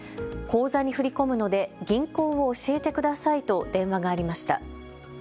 口座に振り込むので銀行を教えてくださいと電話がありました。